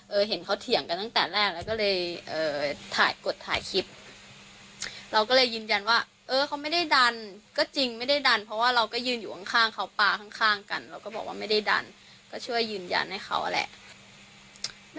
เออเห็นเขาเถียงกันตั้งแต่แรกแล้วก็เลย